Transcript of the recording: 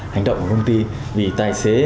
hành động của công ty vì tài xế